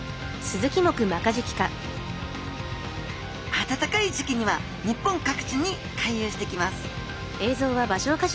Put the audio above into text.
暖かい時期には日本各地に回遊してきます